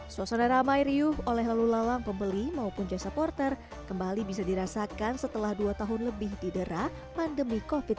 suasana ramai riuh oleh lalu lalang pembeli maupun jasa porter kembali bisa dirasakan setelah dua tahun lebih didera pandemi covid sembilan belas